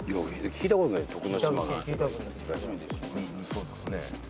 そうですね。